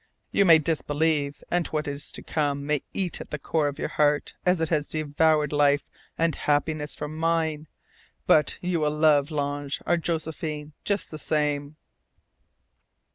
You may disbelieve, and what is to come may eat at the core of your heart as it has devoured life and happiness from mine. But you will love L'Ange our Josephine just the same."